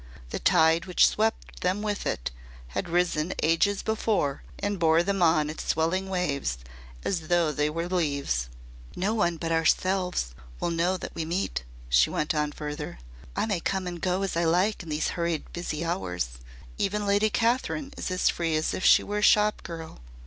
The tide which swept them with it had risen ages before and bore them on its swelling waves as though they were leaves. "No one but ourselves will know that we meet," she went on further. "I may come and go as I like in these hurried busy hours. Even Lady Kathryn is as free as if she were a shop girl.